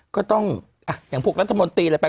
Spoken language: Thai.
ก็ต้องอย่างพวกรัฐมนตรีอะไรไป